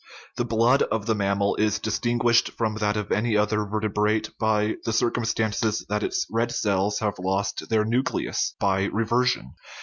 The blood of mammals is distinguish ed from that of any other vertebrate by the circum stance that its red cells have lost their nucleus (by reversion).